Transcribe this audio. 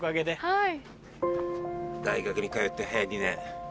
はい。